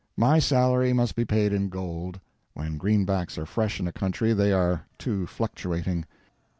My salary must be paid in gold; when greenbacks are fresh in a country, they are too fluctuating.